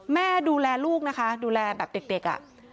แม่ดูแลลูกนะคะดูแลแบบเด็กอ่ะ